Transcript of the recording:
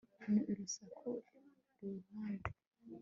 ni urusaku kuruhande